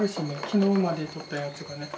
昨日までとったやつがね。